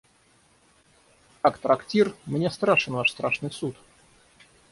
Как трактир, мне страшен ваш страшный суд!